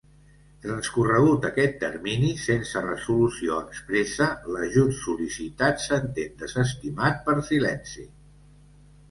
Transcorregut aquest termini sense resolució expressa, l'ajut sol·licitat s'entén desestimat per silenci.